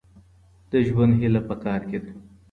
د ژوند هیله په کار کي ده.